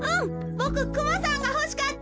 ボククマさんがほしかった。